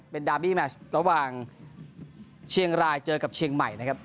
เป็นดาร์บี้แมชระหว่างเชียงรายเจอกับเชียงใหม่นะครับ